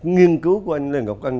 nghiên cứu của anh lê ngọc canh